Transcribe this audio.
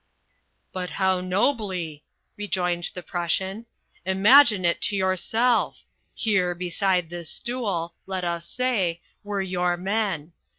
"But how nobly," rejoined the Prussian. "Imagine it to yourself! Here, beside this stool, let us say, were your men.